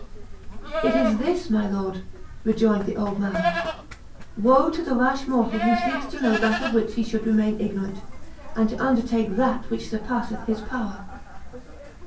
"It is this, my lord," rejoined the old man: "Woe to the rash mortal who seeks to know that of which he should remain ignorant, and to undertake that which surpasseth his power!"